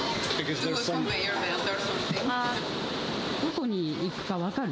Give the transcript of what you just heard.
どこに行くか分かる？